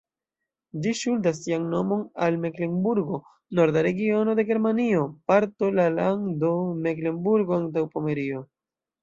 Ĝi ŝuldas sian nomon al Meklenburgo, norda regiono de Germanio, parto la lando Meklenburgo-Antaŭpomerio.